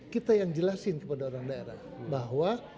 kita yang jelasin kepada orang daerah bahwa